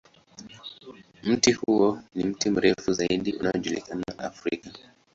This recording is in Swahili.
Mti huo ni mti mrefu zaidi unaojulikana Afrika.